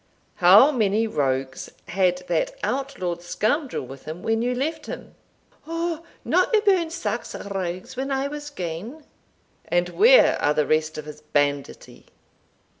How many rogues had that outlawed scoundrel with him when you left him?" "Ou, no aboon sax rogues when I was gane." "And where are the rest of his banditti?"